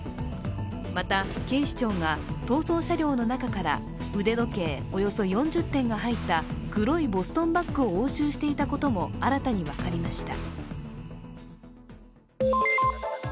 また、警視庁が逃走車両の中から腕時計およそ４０点が入った黒いボストンバッグを押収していたことも新たに分かりました。